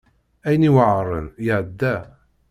Ayen iweɛṛen iɛedda.